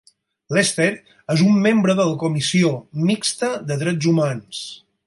Lester és un membre de la Comissió Mixta de Drets Humans.